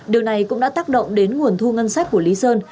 điều này cũng đã tác động đến nguồn thu ngân sách của lý sơn